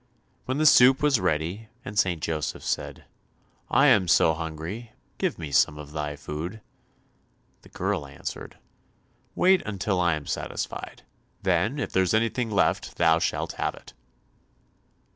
When the soup was ready and St. Joseph said, "I am so hungry, give me some of thy food," the girl answered, "Wait until I am satisfied; then if there is anything left thou shalt have it."